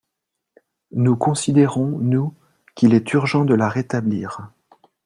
Nous considérons, nous, qu’il est urgent de la rétablir.